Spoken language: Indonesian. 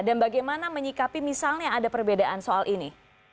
dan bagaimana menyikapi misalnya ada perbedaan soal ini